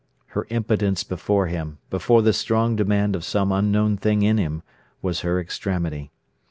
Her impotence before him, before the strong demand of some unknown thing in him, was her extremity.